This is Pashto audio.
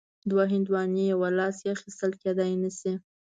دوه هندواڼې یو لاس کې اخیستل کیدای نه شي.